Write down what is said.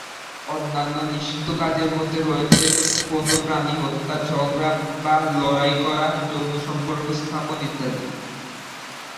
অন্যান্য নিষিদ্ধ কাজের মধ্যে রয়েছে কোনো প্রাণী হত্যা, ঝগড়া বা লড়াই করা, যৌন সম্পর্ক স্থাপন ইত্যাদি।